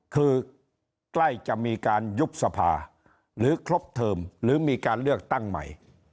คือใกล้จะมีการยุบสภาหรือครบเทอมหรือมีการเลือกตั้งใหม่